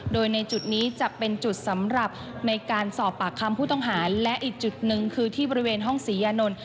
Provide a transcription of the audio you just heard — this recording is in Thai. โดยในจุดนี้จะเป็นจุดสำหรับในการสอบปากคำผู้ต้องหาและอีกจุดหนึ่งคือที่บริเวณห้องศรียานนท์